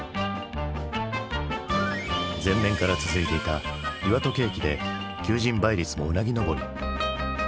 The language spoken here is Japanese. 前年から続いていた岩戸景気で求人倍率もうなぎ登り。